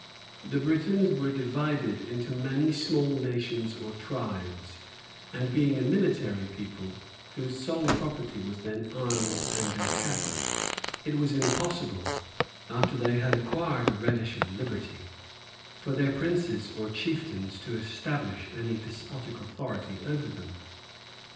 The Britons were divided into many small nations or tribes and being a military people, whose sole property was then arms and their cattle, It was impossible, after they had acquired a relish of liberty for their princes or chieftains to establish any despotic authority over them.